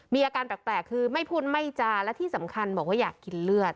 มีอาการแปลกคือไม่พูดไม่จาและที่สำคัญบอกว่าอยากกินเลือด